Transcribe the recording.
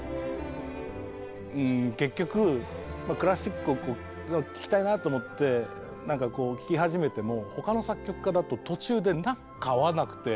結局クラシックを聴きたいなと思ってなんかこう聴き始めても他の作曲家だと途中でなんか合わなくてあっ